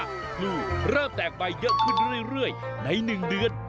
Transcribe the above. คือเริ่มแตกใบเยอะขึ้นเรื่อยใน๑เดือน